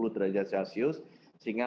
tiga puluh derajat celcius sehingga